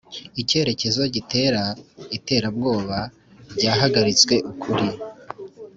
icyerekezo gitera iterabwoba ryahagaritswe ukuri.